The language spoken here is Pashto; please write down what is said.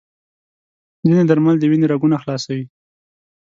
ځینې درمل د وینې رګونه خلاصوي.